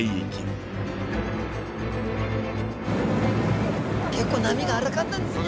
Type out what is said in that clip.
スタジオ結構波が荒かったんですね。